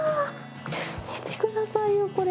見てくださいよ、これ。